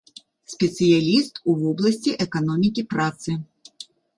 Спецыяліст у вобласці эканомікі працы.